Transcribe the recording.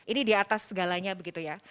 ini di atas segalanya begitu ya